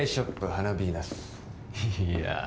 花ヴィーナスいや